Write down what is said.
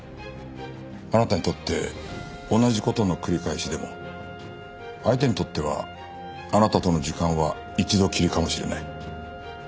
あなたにとって同じ事の繰り返しでも相手にとってはあなたとの時間は一度きりかもしれない。